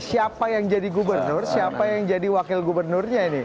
siapa yang jadi gubernur siapa yang jadi wakil gubernurnya ini